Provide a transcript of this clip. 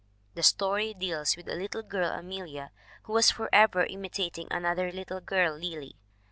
The story deals with a little girl, Amelia, who was forever imitat ing another little girl, Lily.